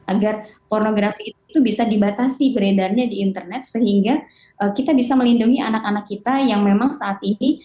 agar pornografi itu bisa dibatasi beredarnya di internet sehingga kita bisa melindungi anak anak kita yang memang saat ini